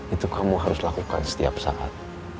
itu kamu harus lakukan setiap saat